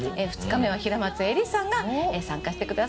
２日目は平松愛理さんが参加してくださいます。